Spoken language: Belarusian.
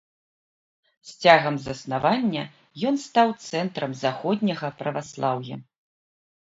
З часу заснавання ён стаў цэнтрам заходняга праваслаўя.